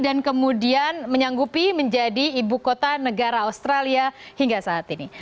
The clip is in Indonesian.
kemudian menyanggupi menjadi ibu kota negara australia hingga saat ini